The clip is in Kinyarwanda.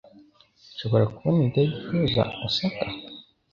Nshobora kubona indege ihuza Osaka?